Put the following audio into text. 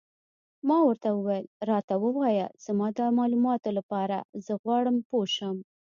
ما ورته وویل: راته ووایه، زما د معلوماتو لپاره، زه غواړم پوه شم.